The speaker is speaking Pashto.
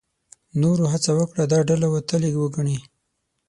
نورو هڅه وکړه دا ډله وتلې وګڼي.